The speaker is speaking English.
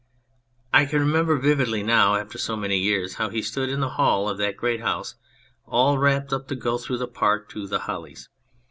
I can remember vividly now, after so many years, how he stood in the hall of that great house, all wrapped up to go through the park to "The Hollies."